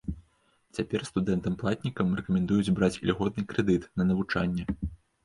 Цяпер студэнтам-платнікам рэкамендуюць браць ільготны крэдыт на навучанне.